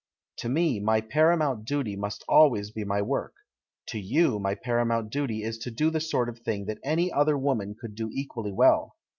To me, my paramount duty must always be my work; to you, my paramount duty is to do the sort of thing that any other woman could do equally well.